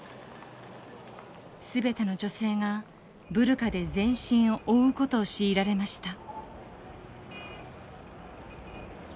全ての女性がブルカで全身を覆うことを強いられました。